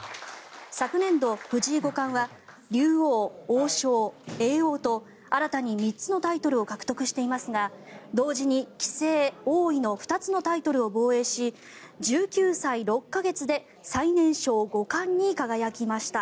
昨年度、藤井五冠は竜王、王将、叡王と新たに３つのタイトルを獲得していますが同時に棋聖、王位の２つのタイトルを防衛し１９歳６か月で最年少五冠に輝きました。